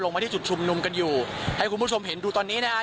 มาที่จุดชุมนุมกันอยู่ให้คุณผู้ชมเห็นดูตอนนี้นะฮะ